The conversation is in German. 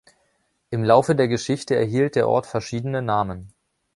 Im Laufe der Geschichte erhielt der Ort verschiedene Namen.